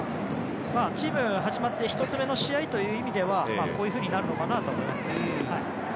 チームが始まって１つ目という試合という意味ではこういうふうになるかなとは思います。